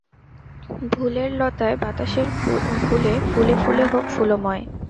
ভুলের লতায় বাতাসের ভুলে ফুলে ফুলে হোক ফুলময়!